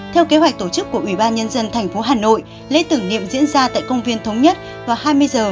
theo kế hoạch tổ chức của ủy ban nhân dân thành phố hà nội lễ tưởng niệm diễn ra tại công viên thống nhất vào hai mươi h